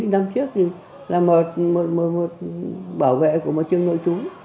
năm trước là một bảo vệ của một trường nội trú